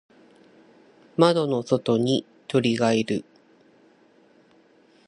窓の外に鳥がいる。